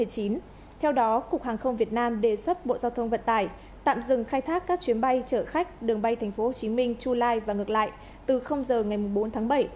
theo đó cục hàng không việt nam đề xuất bộ giao thông vận tải tạm dừng khai thác các chuyến bay chở khách đường bay tp hcm chu lai và ngược lại từ giờ ngày bốn tháng bảy